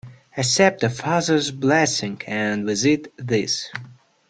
Accept a father's blessing, and with it, this.